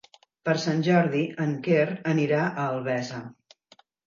Per Sant Jordi en Quer anirà a Albesa.